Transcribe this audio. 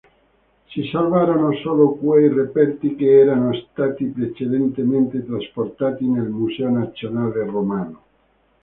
Si salvarono solo quei reperti che erano stati precedentemente trasportati nel museo nazionale romano.